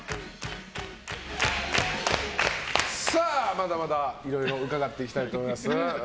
まだまだいろいろ伺っていきたいと思います。